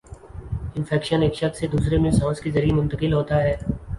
infection ایک شخص سے دوسرے میں سانس کے ذریعے منتقل ہوتا ہے